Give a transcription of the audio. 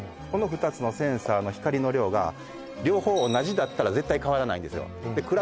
この２つのセンサーの光の量が両方同じだったら絶対変わらないんですよで